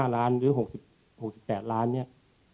๕ล้านหรือ๖๘ล้านเนี่ย